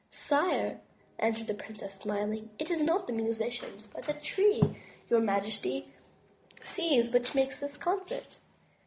"Sire," answered the princess, smiling. "It is not musicians, but the Tree your majesty sees which makes this concert."